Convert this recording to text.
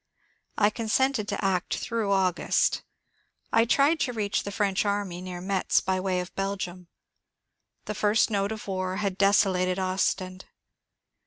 I consented to act through August. I tried to reach the French army near Metz by way of Belgium. The first note of war had desolated Ostend.